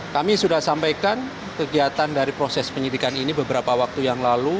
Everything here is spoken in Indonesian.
kami sudah sampaikan kegiatan dari proses penyidikan ini beberapa waktu yang lalu